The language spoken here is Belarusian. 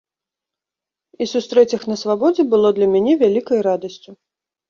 І сустрэць іх на свабодзе было для мяне вялікай радасцю.